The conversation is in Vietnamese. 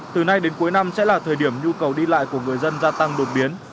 từ nay đến cuối năm sẽ là thời điểm nhu cầu đi lại của người dân gia tăng đột biến